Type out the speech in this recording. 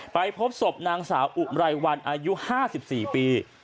ไปพบศพนางสาวอุไรวันอายุ๕๔ปี